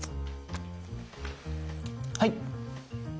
はい。